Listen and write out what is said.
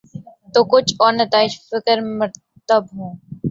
تو کچھ اور نتائج فکر مرتب ہوں۔